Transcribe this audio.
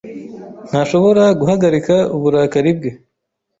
ntashobora guhagarika uburakari bwe.